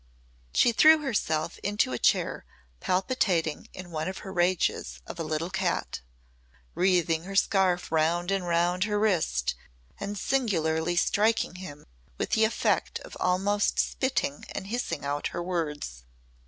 She threw herself into a chair palpitating in one of her rages of a little cat wreathing her scarf round and round her wrist and singularly striking him with the effect of almost spitting and hissing out her words.